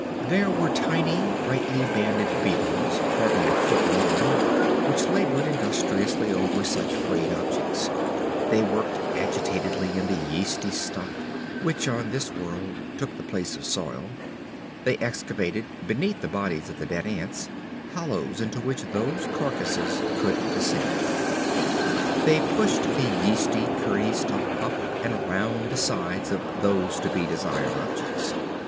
There were tiny, brightly banded beetles hardly a foot long which labored industriously over such frayed objects. They worked agitatedly in the yeasty stuff which on this world took the place of soil. They excavated, beneath the bodies of the dead ants, hollows into which those carcasses could descend. They pushed the yeasty, curdy stuff up and around the sides of those to be desired objects.